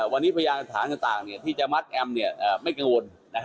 วันนี้พยานฐานต่างที่จะมัดแอมไม่กังวล